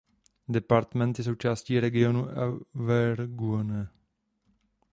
Departement je součástí regionu Auvergne.